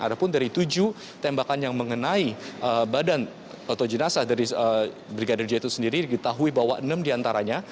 ada pun dari tujuh tembakan yang mengenai badan atau jenazah dari brigadir j itu sendiri diketahui bahwa enam diantaranya